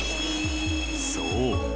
［そう。